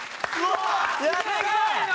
すごいな！